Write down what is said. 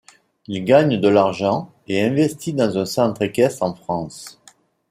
Il gagne de l'argent et investit dans un centre équestre en France.